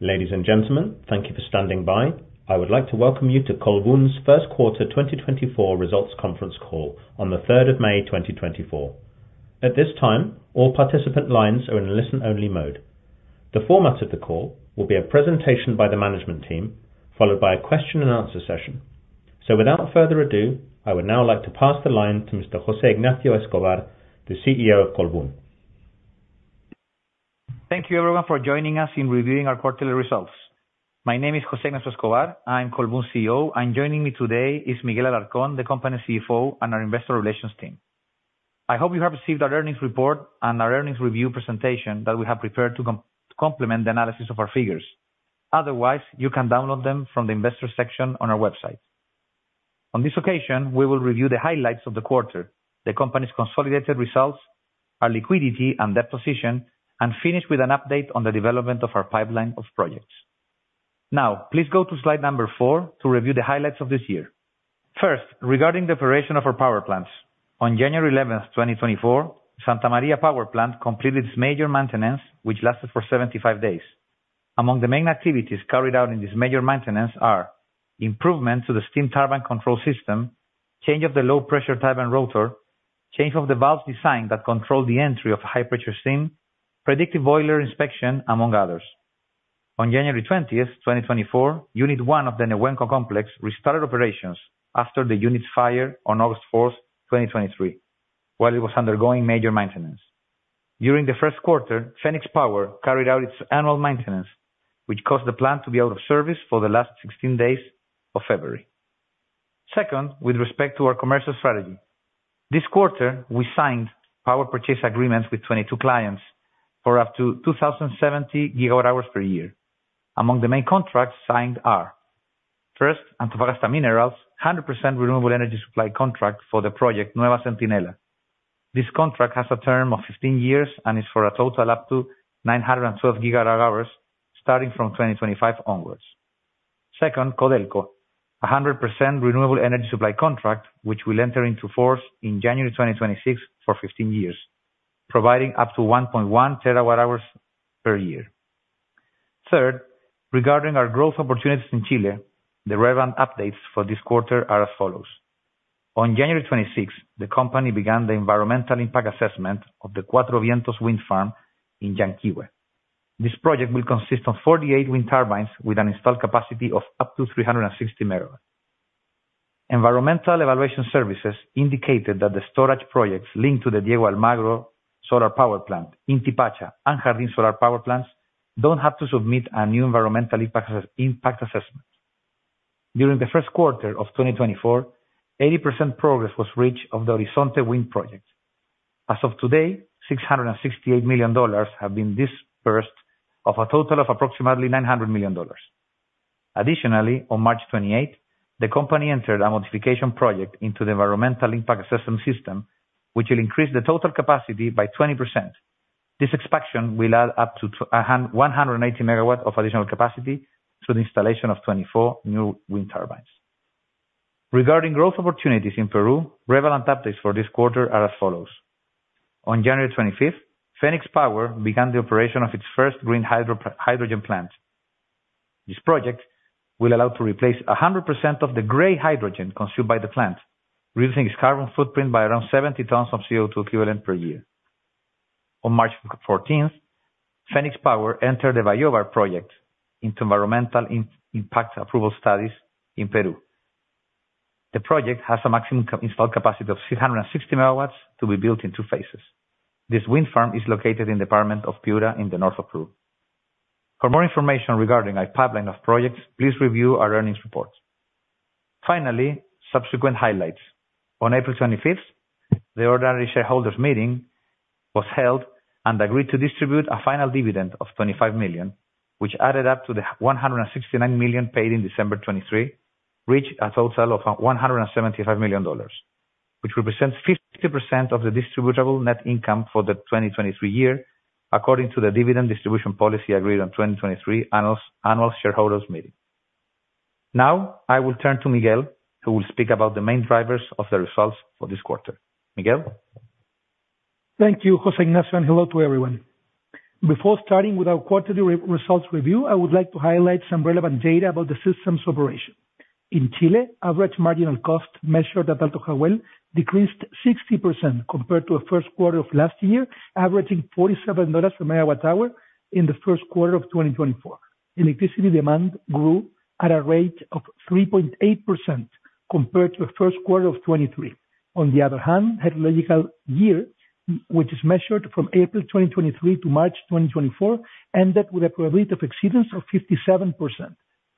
Ladies and gentlemen, thank you for standing by. I would like to welcome you to Colbún's Q1 2024 Results Conference Call on 3 May, 2024. At this time, all participant lines are in listen-only mode. The format of the call will be a presentation by the management team, followed by a question and answer session. Without further ado, I would now like to pass the line to Mr. José Ignacio Escobar, the CEO of Colbún. Thank you everyone for joining us in reviewing our quarterly results. My name is José Ignacio Escobar. I'm Colbún's CEO, and joining me today is Miguel Alarcón, the company's CFO, and our investor relations team. I hope you have received our earnings report and our earnings review presentation that we have prepared to complement the analysis of our figures. Otherwise, you can download them from the investor section on our website. On this occasion, we will review the highlights of the quarter, the company's consolidated results, our liquidity and debt position, and finish with an update on the development of our pipeline of projects. Now, please go to slide number four to review the highlights of this year. First, regarding the operation of our power plants. On 11 January, 2024, Central Santa María completed its major maintenance, which lasted for 75 days. Among the main activities carried out in this major maintenance are: improvement to the steam turbine control system, change of the low pressure turbine rotor, change of the valve's design that controlled the entry of high pressure steam, predictive boiler inspection, among others. On 20 January 2024, Unit 1 of the Nehuenco Complex restarted operations after the unit's fire on 4 August 2023, while it was undergoing major maintenance. During the Q1, Fenix Power carried out its annual maintenance, which caused the plant to be out of service for the last 16 days of February. Second, with respect to our commercial strategy, this quarter, we signed power purchase agreements with 22 clients for up to 2,070 GWh per year. Among the main contracts signed are: first, Antofagasta Minerals' 100% renewable energy supply contract for the project, Nueva Centinela. This contract has a term of 15 years and is for a total up to 912 GWh, starting from 2025 onwards. Second, Codelco, a 100% renewable energy supply contract, which will enter into force in January 2026 for 15 years, providing up to 1.1 TWh per year. Third, regarding our growth opportunities in Chile, the relevant updates for this quarter are as follows. On 26 January 2026, the company began the environmental impact assessment of the Cuatro Vientos Wind Farm in Llanquihue. This project will consist of 48 wind turbines with an installed capacity of up to 360 MW. Environmental evaluation services indicated that the storage projects linked to the Diego Almagro Solar Power Plant, Inti Pacha and Jardín Solar Power Plants, don't have to submit a new environmental impact assessment. During the Q1 of 2024, 80% progress was reached of the Horizonte Wind Project. As of today, $668 million have been disbursed, of a total of approximately $900 million. Additionally, on March 28, the company entered a modification project into the Environmental Impact Assessment System, which will increase the total capacity by 20%. This expansion will add up to one hundred and eighty MW of additional capacity, through the installation of 24 new wind turbines. Regarding growth opportunities in Peru, relevant updates for this quarter are as follows: On January 25, Fenix Power began the operation of its first green hydrogen plant. This project will allow to replace 100% of the gray hydrogen consumed by the plant, reducing its carbon footprint by around 70 tons of CO2 equivalent per year. On March 14th, Fenix Power entered the Bayóvar project into environmental impact approval studies in Peru. The project has a maximum installed capacity of 660 MW to be built in two phases. This wind farm is located in the department of Piura, in the north of Peru. For more information regarding our pipeline of projects, please review our earnings report. Finally, subsequent highlights. On April 25th, the ordinary shareholders meeting was held and agreed to distribute a final dividend of $25 million, which added up to the $169 million paid in December 2023, reached a total of $175 million, which represents 50% of the distributable net income for the 2023 year, according to the dividend distribution policy agreed on 2023 annual shareholders meeting. Now, I will turn to Miguel, who will speak about the main drivers of the results for this quarter. Miguel? Thank you, José Ignacio, and hello to everyone. Before starting with our quarterly results review, I would like to highlight some relevant data about the system's operation. In Chile, average marginal cost measured at Alto Jahuel decreased 60% compared to the Q1 of last year, averaging $47 per MWh in the Q1 of 2024. Electricity demand grew at a rate of 3.8% compared to the Q1 of 2023. On the other hand, hydrological year, which is measured from April 2023 to March 2024, ended with a probability of exceedance of 57%,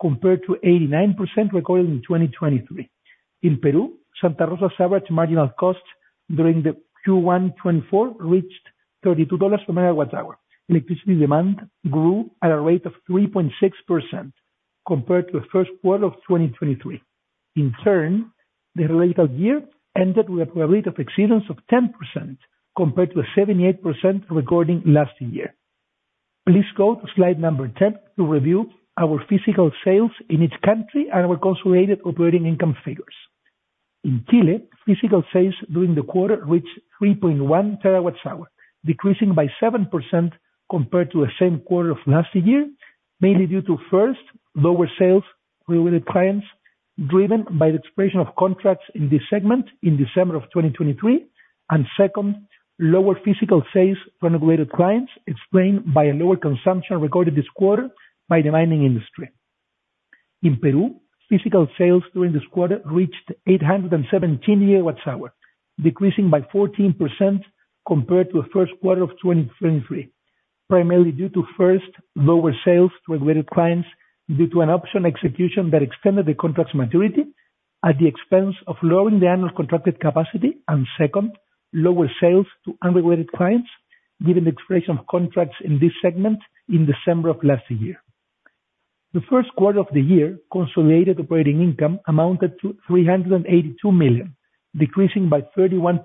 compared to 89% recorded in 2023. In Peru, Santa Rosa's average marginal cost during the Q1 2024 reached $32 per MWh. Electricity demand grew at a rate of 3.6% compared to the Q1 of 2023. In turn, the related year ended with a probability of exceedance of 10% compared to the 78% recorded last year. Please go to slide number 10 to review our physical sales in each country and our consolidated operating income figures. In Chile, physical sales during the quarter reached 3.1 TWh, decreasing by 7% compared to the same quarter of last year, mainly due to, first, lower sales to regulated clients, driven by the expiration of contracts in this segment in December 2023. And second, lower physical sales to unregulated clients, explained by a lower consumption recorded this quarter by the mining industry. In Peru, physical sales during this quarter reached 817 GWh, decreasing by 14% compared to the Q1 of 2023. Primarily due to, first, lower sales to regulated clients due to an option execution that extended the contract's maturity at the expense of lowering the annual contracted capacity. And second, lower sales to unregulated clients, given the expiration of contracts in this segment in December of last year. The Q1 of the year, consolidated operating income amounted to $382 million, decreasing by 31%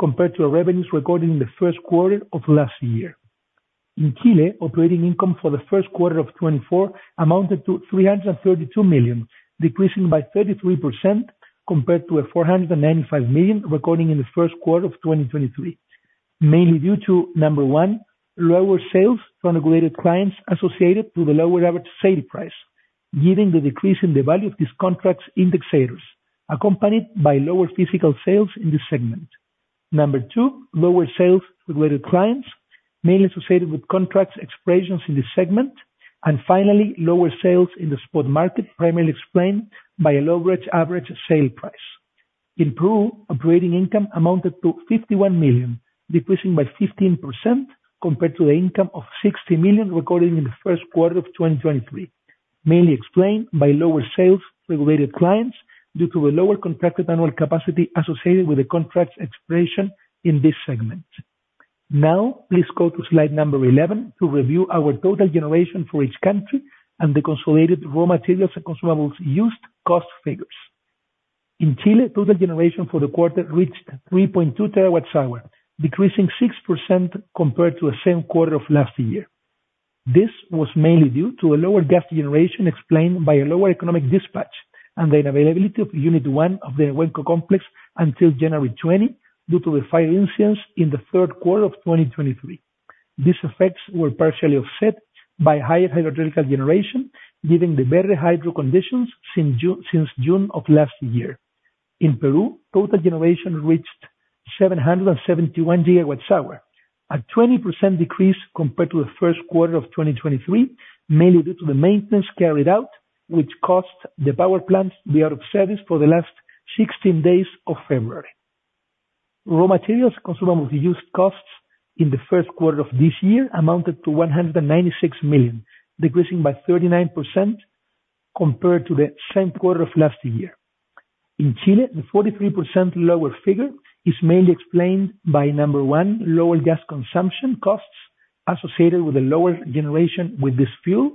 compared to revenues recorded in the Q1 of last year. In Chile, operating income for the Q1 of 2024 amounted to $332 million, decreasing by 33% compared to the $495 million recorded in the Q1 of 2023. Mainly due to, number one, lower sales to unregulated clients associated to the lower average sales price, giving the decrease in the value of these contracts indexators, accompanied by lower physical sales in this segment. Number two, lower sales to regulated clients, mainly associated with contracts expirations in this segment. And finally, lower sales in the spot market, primarily explained by a lower average, average sale price. In Peru, operating income amounted to $51 million, decreasing by 15% compared to the income of $60 million recorded in the Q1 of 2023. Mainly explained by lower sales to regulated clients, due to a lower contracted annual capacity associated with the contract's expiration in this segment. Now, please go to slide number 11 to review our total generation for each country and the consolidated raw materials and consumables used cost figures. In Chile, total generation for the quarter reached 3.2 TWh, decreasing 6% compared to the same quarter of last year. This was mainly due to a lower gas generation, explained by a lower economic dispatch and the availability of Unit One of the Nehuenco Complex until January 20, due to a fire instance in the Q3 of 2023. These effects were partially offset by higher hydrological generation, giving the better hydro conditions since June of last year. In Peru, total generation reached 771 GWh, a 20% decrease compared to the Q1 of 2023, mainly due to the maintenance carried out, which cost the power plants be out of service for the last 16 days of February. Raw materials, consumables, used costs in the Q1 of this year amounted to $196 million, decreasing by 39% compared to the same quarter of last year. In Chile, the 43% lower figure is mainly explained by, number one, lower gas consumption costs associated with the lower generation with this fuel.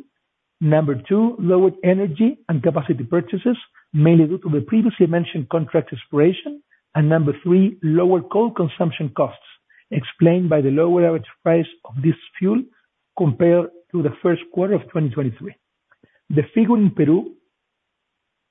Number two, lower energy and capacity purchases, mainly due to the previously mentioned contract expiration. And number three, lower coal consumption costs, explained by the lower average price of this fuel compared to the Q1 of 2023. The figure in Peru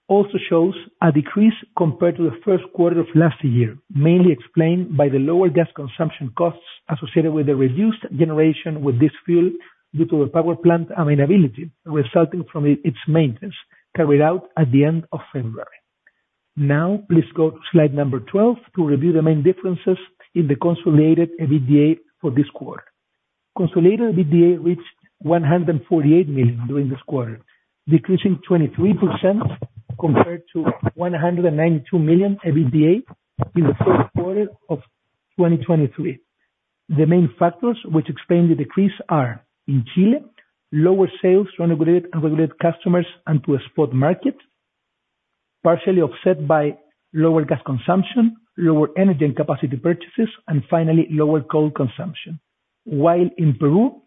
also shows a decrease compared to the Q1 of last year, mainly explained by the lower gas consumption costs associated with the reduced generation with this fuel, due to the power plant unavailability, resulting from its maintenance carried out at the end of February. Now, please go to slide 12 to review the main differences in the consolidated EBITDA for this quarter. Consolidated EBITDA reached $148 million during this quarter, decreasing 23% compared to $192 million EBITDA in the Q1 of 2023. The main factors which explain the decrease are: in Chile, lower sales to unregulated and regulated customers and to a spot market, partially offset by lower gas consumption, lower energy and capacity purchases, and finally, lower coal consumption. While in Peru,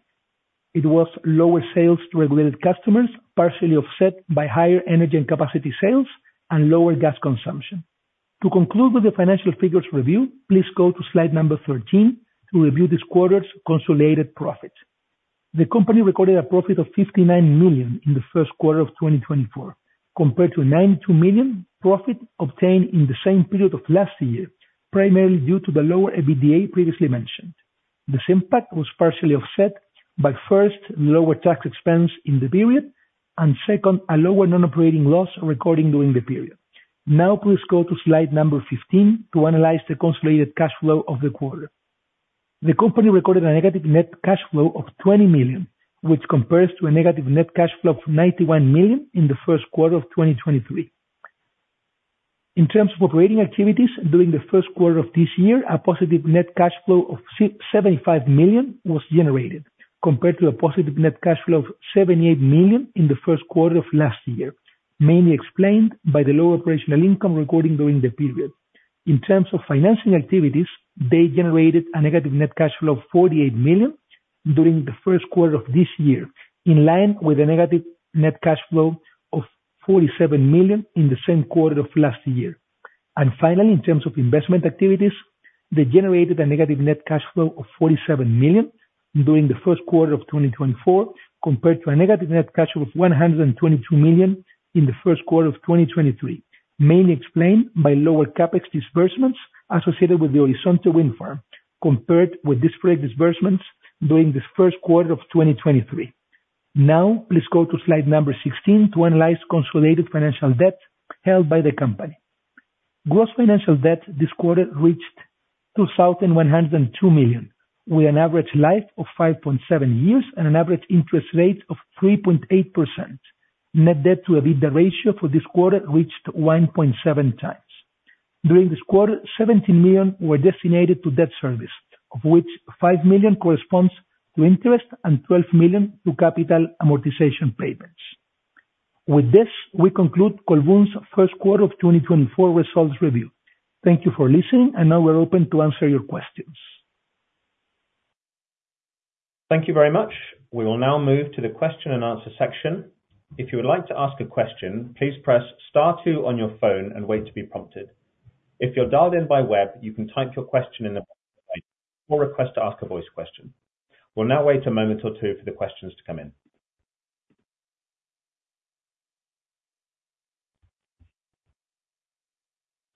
it was lower sales to regulated customers, partially offset by higher energy and capacity sales and lower gas consumption. To conclude with the financial figures review, please go to slide 13, to review this quarter's consolidated profit. The company recorded a profit of $59 million in the Q1 of 2024, compared to $92 million profit obtained in the same period of last year, primarily due to the lower EBITDA previously mentioned. This impact was partially offset by, first, lower tax expense in the period, and second, a lower non-operating loss recorded during the period. Now, please go to slide number 15 to analyze the consolidated cash flow of the quarter. The company recorded a negative net cash flow of $20 million, which compares to a negative net cash flow of $91 million in the Q1 of 2023. In terms of operating activities during the Q1 of this year, a positive net cash flow of $75 million was generated, compared to a positive net cash flow of $78 million in the Q1 of last year, mainly explained by the lower operational income recorded during the period. In terms of financing activities, they generated a negative net cash flow of $48 million during the Q1 of this year, in line with the negative net cash flow of $47 million in the same quarter of last year. Finally, in terms of investment activities, they generated a negative net cash flow of $47 million during the Q1 of 2024, compared to a negative net cash flow of $122 million in the Q1 of 2023. Mainly explained by lower CapEx disbursements associated with the Horizonte wind farm, compared with disparate disbursements during the Q1 of 2023. Now, please go to slide number 16 to analyze consolidated financial debt held by the company. Gross financial debt this quarter reached $2,102 million, with an average life of 5.7 years and an average interest rate of 3.8%. Net debt to EBITDA ratio for this quarter reached 1.7 times. During this quarter, $17 million were designated to debt service, of which $5 million corresponds to interest and $12 million to capital amortization payments. With this, we conclude Colbún's Q1 of 2024 results review. Thank you for listening, and now we're open to answer your questions. Thank you very much. We will now move to the question and answer section. If you would like to ask a question, please press star two on your phone and wait to be prompted. If you're dialed in by web, you can type your question in the box, or request to ask a voice question. We'll now wait a moment or two for the questions to come in.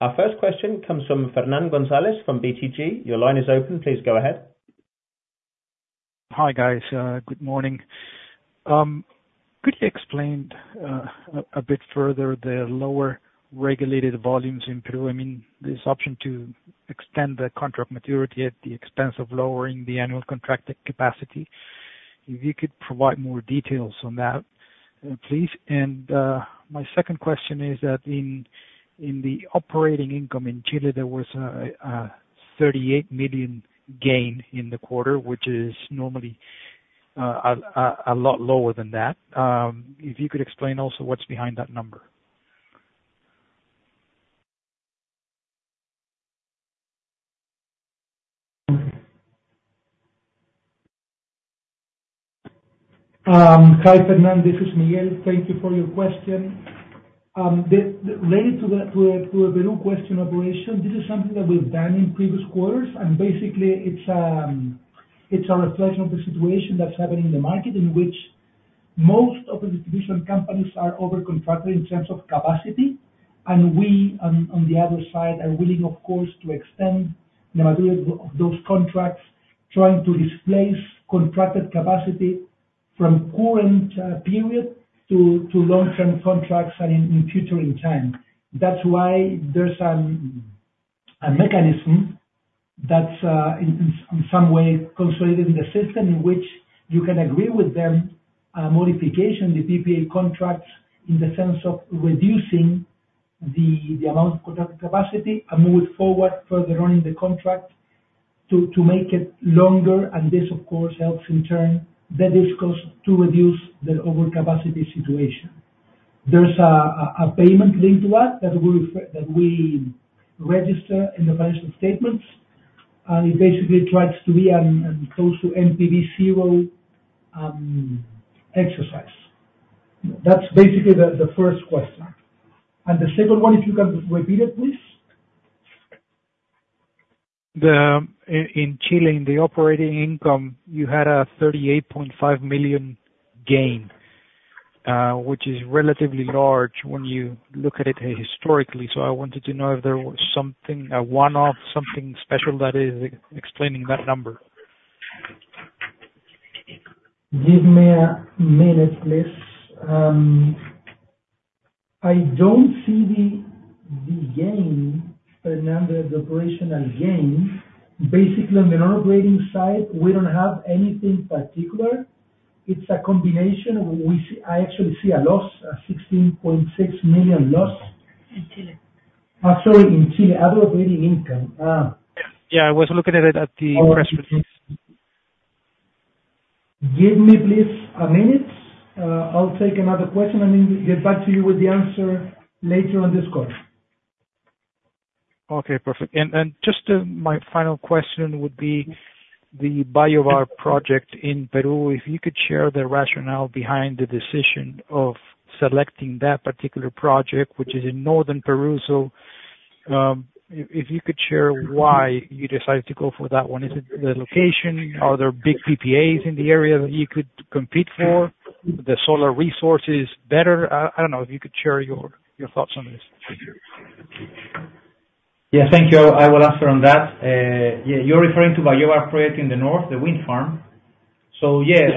Our first question comes from Fernán González from BTG. Your line is open, please go ahead. Hi, guys, good morning. Could you explain a bit further the lower regulated volumes in Peru? I mean, this option to extend the contract maturity at the expense of lowering the annual contracted capacity. If you could provide more details on that, please. And my second question is that in the operating income in Chile, there was a $38 million gain in the quarter, which is normally a lot lower than that. If you could explain also what's behind that number? Hi, Fernand, this is Miguel. Thank you for your question. Related to the Peru question operation, this is something that we've done in previous quarters, and basically it's a reflection of the situation that's happening in the market, in which most of the distribution companies are over-contracted in terms of capacity. And we, on the other side, are willing, of course, to extend the maturity of those contracts, trying to displace contracted capacity from current period to long-term contracts and in future in time. That's why there's a mechanism that's in some way consolidated in the system, in which you can agree with them a modification the PPA contracts, in the sense of reducing the amount of contracted capacity, and move it forward further on in the contract to make it longer. And this, of course, helps in turn, the discourse to reduce the overcapacity situation. There's a payment linked to that, that we register in the financial statements, and it basically tries to be close to NPV zero exercise. That's basically the first question. And the second one, if you can repeat it, please? In Chile, in the operating income, you had a $38.5 million gain, which is relatively large when you look at it historically. So I wanted to know if there was something, a one-off, something special that is explaining that number. Give me a minute, please. I don't see the gain, Fernand, the operational gain. Basically, on the non-operating side, we don't have anything particular. It's a combination. We see... I actually see a loss, a $16.6 million loss. In Chile. Sorry, in Chile, operating income. Yeah, I was looking at it at the press release. Give me, please, a minute. I'll take another question and get back to you with the answer later on this call. Okay, perfect. And just my final question would be the Bayóvar project in Peru. If you could share the rationale behind the decision of selecting that particular project, which is in northern Peru. So, if you could share why you decided to go for that one. Is it the location? Are there big PPAs in the area that you could compete for? The solar resource is better? I don't know, if you could share your thoughts on this. Yeah, thank you. I will answer on that. Yeah, you're referring to Bayóvar project in the north, the wind farm. So yes,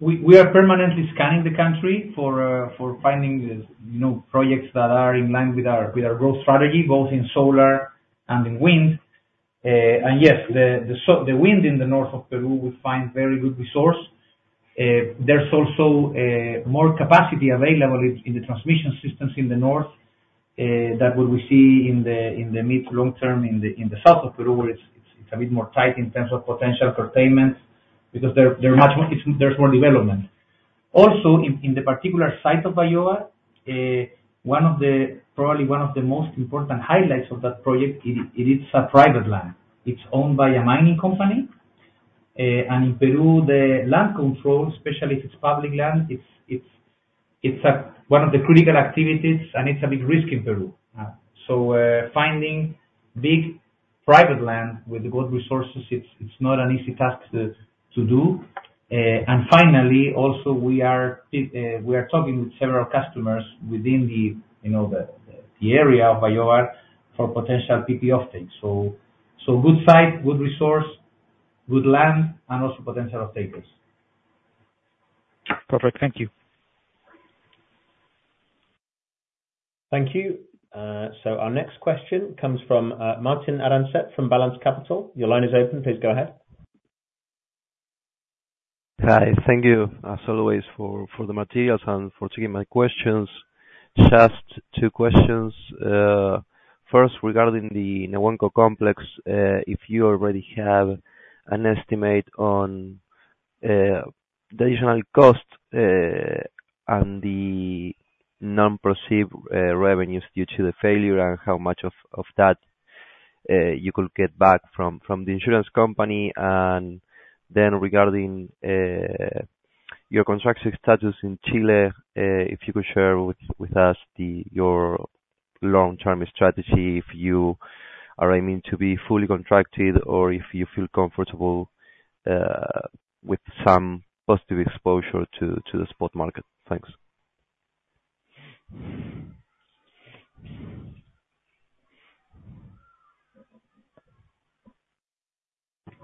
we, we are permanently scanning the country for, for finding, you know, projects that are in line with our, with our growth strategy, both in solar and in wind. And yes, the wind in the north of Peru we find very good resource. There's also more capacity available in the transmission systems in the north than what we see in the mid-long term in the south of Peru, where it's a bit more tight in terms of potential curtailment, because there are much more... It's, there's more development. Also, in the particular site of Bayóvar, one of the, probably one of the most important highlights of that project is, it is a private land. It's owned by a mining company and in Peru, the land control, especially if it's public land, it's a one of the critical activities, and it's a big risk in Peru. So, finding big private land with good resources, it's not an easy task to do. And finally, also we are talking with several customers within the, you know, the area of Bayóvar for potential PPA offtake. So, good site, good resource, good land, and also potential offtakers. Perfect. Thank you. Thank you. So our next question comes from Martín Arancet from Balanz Capital. Your line is open. Please go ahead. Hi, thank you, as always, for the materials and for taking my questions. Just two questions. First, regarding the Nehuenco Complex, if you already have an estimate on the additional cost and the non-perceived revenues due to the failure, and how much of that you could get back from the insurance company? And then regarding your construction status in Chile, if you could share with us your long-term strategy, if you are aiming to be fully contracted or if you feel comfortable with some positive exposure to the spot market. Thanks.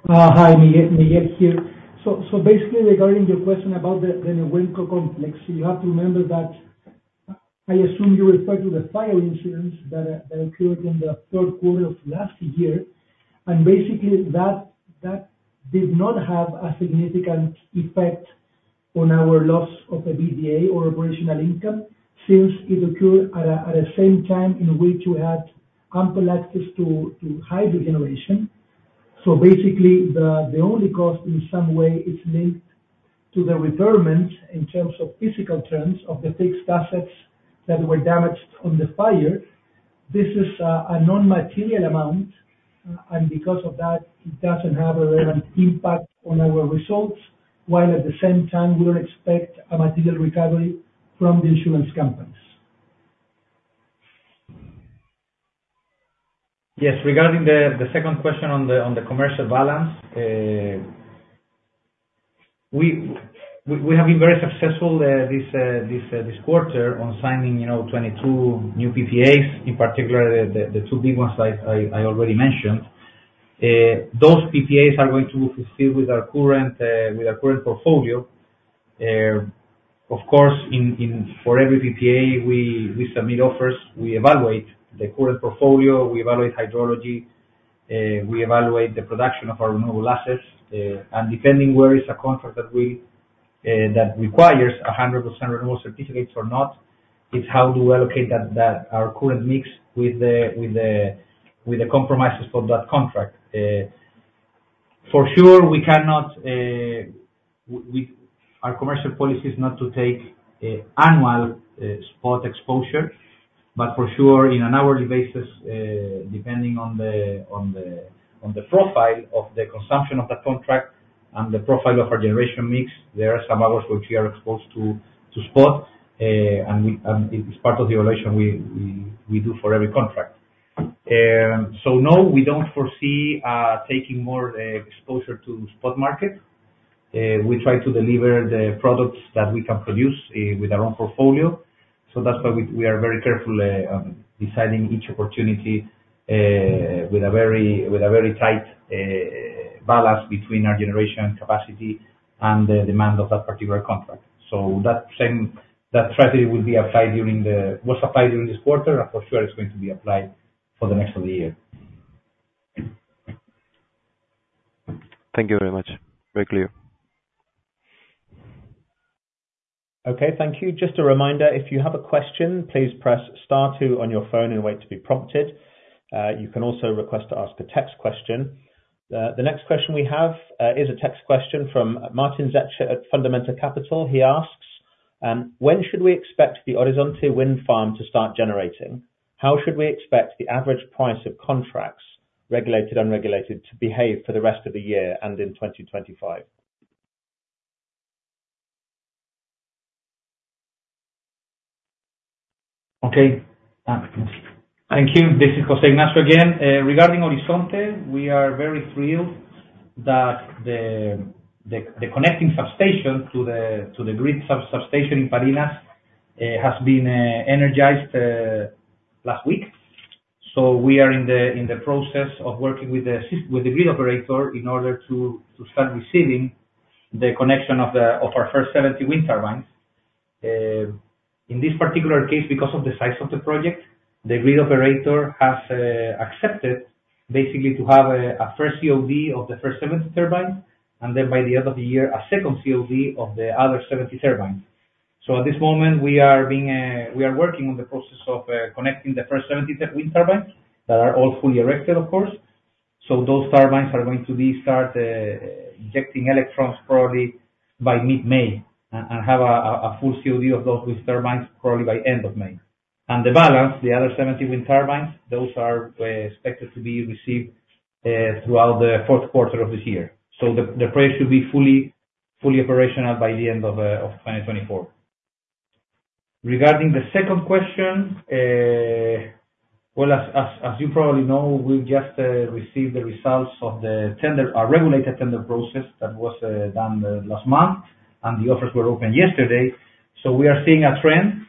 Hi, Miguel, Miguel here. So, basically, regarding your question about the Nehuenco Complex, you have to remember that. I assume you refer to the fire insurance that occurred in the Q3 of last year. Basically, that did not have a significant effect on our loss of the EBITDA or operational income, since it occurred at the same time in which we had ample access to hydro generation. Basically, the only cost in some way is linked to the retirement, in terms of physical terms, of the fixed assets that were damaged on the fire. This is a non-material amount, and because of that, it doesn't have a relevant impact on our results, while at the same time, we expect a material recovery from the insurance companies. Yes, regarding the second question on the commercial balance, we have been very successful this quarter on signing, you know, 22 new PPAs, in particular, the two big ones I already mentioned. Those PPAs are going to fulfill with our current portfolio. Of course, for every PPA we submit offers, we evaluate the current portfolio, we evaluate hydrology, we evaluate the production of our renewable assets. And depending where is a contract that requires 100% renewable certificates or not, it's how we allocate that, our current mix with the compromises for that contract. For sure, we cannot—our commercial policy is not to take annual spot exposure. But for sure, in an hourly basis, depending on the profile of the consumption of that contract and the profile of our generation mix, there are some hours which we are exposed to spot. And it's part of the evaluation we do for every contract. So no, we don't foresee taking more exposure to spot market. We try to deliver the products that we can produce with our own portfolio. So that's why we are very careful deciding each opportunity with a very tight balance between our generation capacity and the demand of that particular contract. So that same strategy will be applied during the - was applied during this quarter, and for sure it's going to be applied for the rest of the year. Thank you very much. Very clear. Okay, thank you. Just a reminder, if you have a question, please press star two on your phone and wait to be prompted. You can also request to ask a text question. The next question we have is a text question from Martín Zegers at Fundamental Capital. He asks: When should we expect the Horizonte Wind Farm to start generating? How should we expect the average price of contracts, regulated, unregulated, to behave for the rest of the year and in 2025? Okay, thank you. This is José Ignacio again. Regarding Horizonte, we are very thrilled that the connecting substation to the grid substation in Parinas has been energized last week. So we are in the process of working with the grid operator, in order to start receiving the connection of our first 70 wind turbines. In this particular case, because of the size of the project, the grid operator has accepted basically to have a first COD of the first 70 turbines, and then by the end of the year, a second COD of the other 70 turbines. So at this moment, we are working on the process of connecting the first 70 wind turbines, that are all fully erected, of course. So those turbines are going to start injecting electrons probably by mid-May, and have a full COD of those wind turbines, probably by end of May. And the balance, the other 70 wind turbines, those are expected to be received throughout the Q4 of this year. So the project should be fully operational by the end of 2024. Regarding the second question, well, as you probably know, we've just received the results of the tender, our regulated tender process, that was done last month, and the offers were opened yesterday. So we are seeing a trend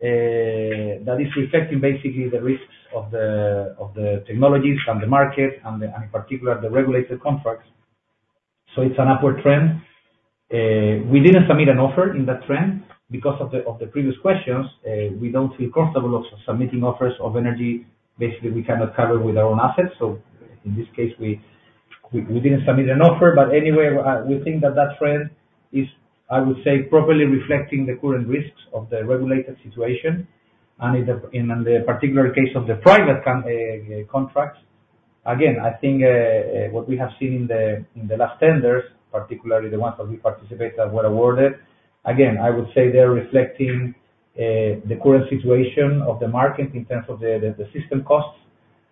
that is reflecting basically the risks of the technologies and the market and, in particular, the regulated contracts. So it's an upward trend. We didn't submit an offer in that trend, because of the previous questions. We don't feel comfortable of submitting offers of energy, basically, we cannot cover with our own assets. So in this case, we didn't submit an offer. But anyway, we think that that trend is, I would say, properly reflecting the current risks of the regulated situation. In the particular case of the private contracts, again, I think, what we have seen in the last tenders, particularly the ones that we participated and were awarded, again, I would say they're reflecting the current situation of the market in terms of the system costs,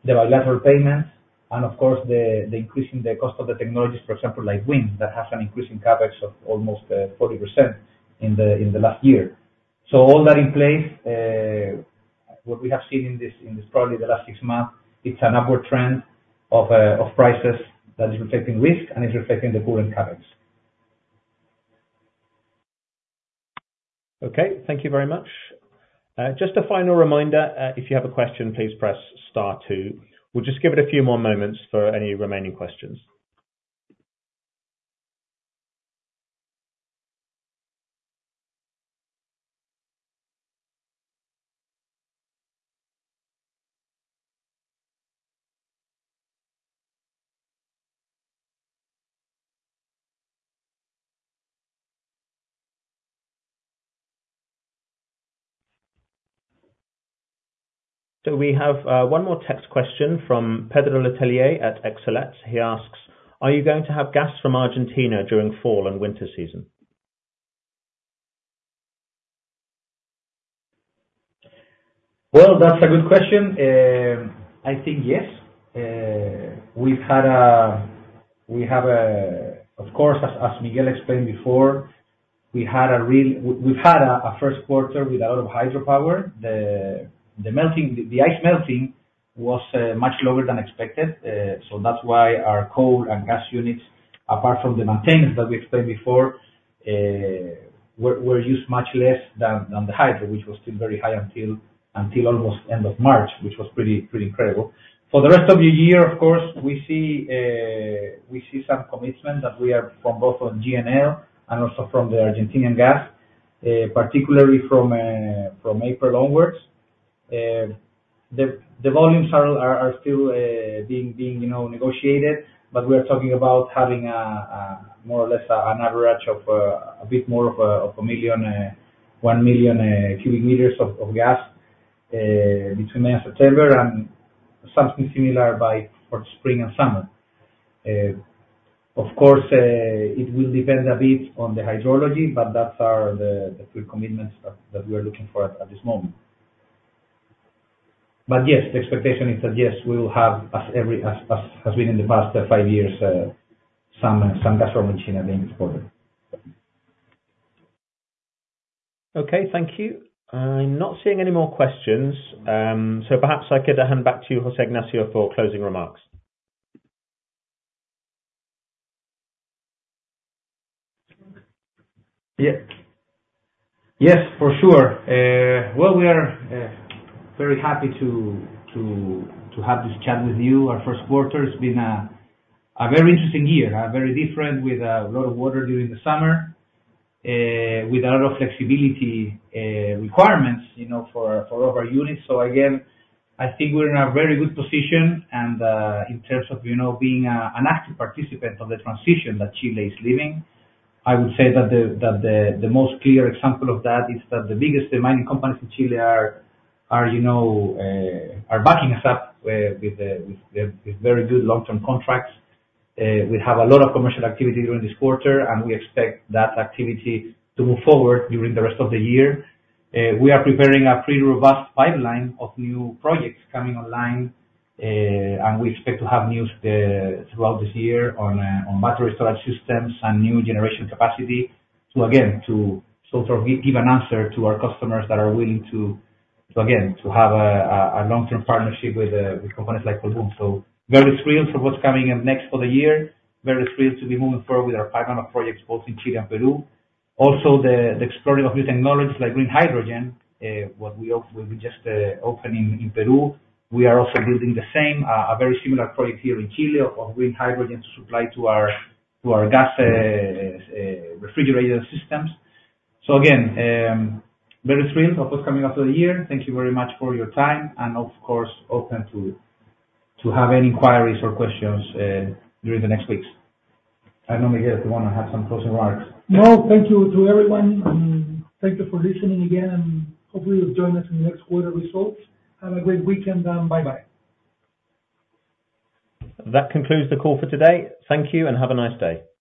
the bilateral payments, and of course, the increase in the cost of the technologies, for example, like wind, that has an increase in CapEx of almost 40% in the last year. All that in place, what we have seen in this, probably the last six months, it's an upward trend of prices that is reflecting risk, and is reflecting the current CapEx. Okay, thank you very much. Just a final reminder, if you have a question, please press star two. We'll just give it a few more moments for any remaining questions. So we have one more text question from Pedro Letelier at LarrainVial. He asks: Are you going to have gas from Argentina during fall and winter season? Well, that's a good question. I think, yes. We've had, of course, as Miguel explained before, a Q1 with a lot of hydropower. The melting, the ice melting was much lower than expected, so that's why our coal and gas units, apart from the maintenance that we explained before, were used much less than the hydro, which was still very high until almost end of March, which was pretty incredible. For the rest of the year, of course, we see some commitment from both GNL and also from the Argentinian gas, particularly from April onwards. The volumes are still being, you know, negotiated, but we are talking about having a more or less an average of a bit more of 1 million cubic meters of gas between May and September, and something similar for spring and summer. Of course, it will depend a bit on the hydrology, but that are the clear commitments that we are looking for at this moment. But yes, the expectation is that, yes, we will have, as has been in the past 5 years, some gas from Argentina being imported. Okay, thank you. I'm not seeing any more questions, so perhaps I could hand back to you, José Ignacio, for closing remarks. Yeah. Yes, for sure. Well, we are very happy to have this chat with you. Our Q1 has been a very interesting year, very different, with a lot of water during the summer, with a lot of flexibility requirements, you know, for all of our units. So again, I think we're in a very good position and, in terms of, you know, being an active participant of the transition that Chile is living. I would say that the most clear example of that is that the biggest mining companies in Chile are, you know, backing us up with very good long-term contracts. We have a lot of commercial activity during this quarter, and we expect that activity to move forward during the rest of the year. We are preparing a pretty robust pipeline of new projects coming online, and we expect to have news throughout this year on battery storage systems and new generation capacity, to again sort of give an answer to our customers that are willing to again have a long-term partnership with companies like Colbún. So very thrilled for what's coming up next for the year. Very thrilled to be moving forward with our pipeline of projects, both in Chile and Peru. Also, exploring new technologies like green hydrogen, what we hope will be just opening in Peru. We are also building the same, a very similar project here in Chile, of green hydrogen to supply to our gas refrigerator systems. So again, very thrilled of what's coming up for the year. Thank you very much for your time, and of course, open to have any inquiries or questions during the next weeks. And Miguel, if you wanna have some closing remarks. No, thank you to everyone, and thank you for listening again, and hopefully you'll join us in the next quarter results. Have a great weekend, and bye-bye. That concludes the call for today. Thank you, and have a nice day.